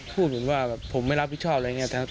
พูดเหมือนว่าผมไม่รับผิดชอบอะไรอย่างนี้